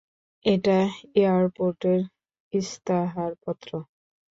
এটা এয়ারপোর্টের ইস্তাহারপত্র।